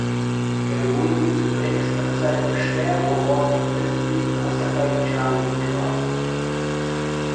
Er wurde zunächst an seinem Sterbeort im östlichen Aserbaidschan begraben.